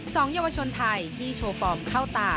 เยาวชนไทยที่โชว์ฟอร์มเข้าตา